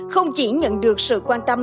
không chỉ nhận được sự quan tâm